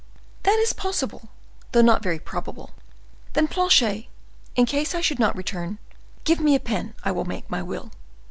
"That is possible, though not very probable. Then, Planchet, in case I should not return—give me a pen; I will make my will."